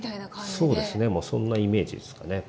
そうですねそんなイメージですかね。